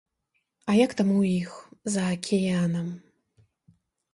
А як там у іх, за акіянам?